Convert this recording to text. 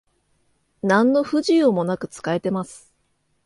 なんの不自由もなく使えてます